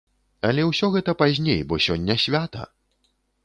Але ўсё гэта пазней, бо сёння свята!